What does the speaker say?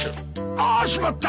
あーっしまった！